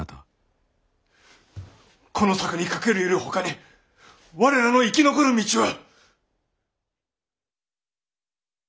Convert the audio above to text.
この策にかけるよりほかに我らの生き残る道は！